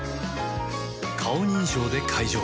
顔認証で解錠